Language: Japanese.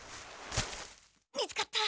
見つかった。